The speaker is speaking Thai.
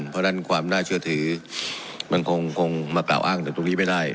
เพราะดันความน่าเชื่อถือมันคงคงมาเปล่าอ้างจากตรงนี้ไม่ได้